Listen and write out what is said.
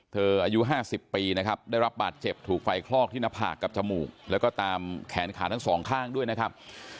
อายุ๕๐ปีนะครับได้รับบาดเจ็บถูกไฟคลอกที่หน้าผากกับจมูกแล้วก็ตามแขนขาทั้งสองข้างด้วยนะครับ